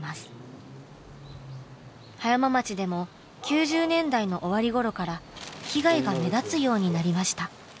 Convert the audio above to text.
葉山町でも９０年代の終わりごろから被害が目立つようになりました。